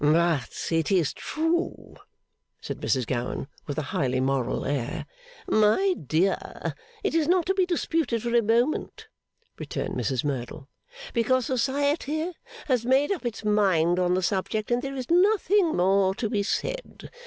'But it is true,' said Mrs Gowan, with a highly moral air. 'My dear, it is not to be disputed for a moment,' returned Mrs Merdle; 'because Society has made up its mind on the subject, and there is nothing more to be said.